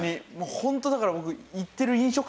ホントだから僕。